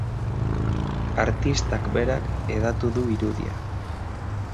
Artistak berak hedatu du irudia.